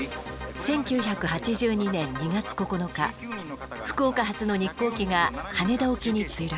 １９８２年２月９日福岡発の日航機が羽田沖に墜落。